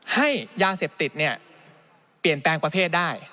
ให้ยาเสพติดเปลี่ยนแปลงประเภทได้